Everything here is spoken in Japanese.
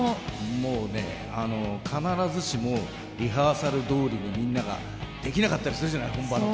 もうね必ずしもリハーサルどおりにみんなができなかったりするじゃない本番の時に。